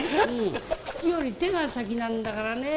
口より手が先なんだからね。